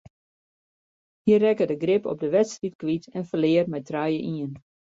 Hy rekke de grip op de wedstryd kwyt en ferlear mei trije ien.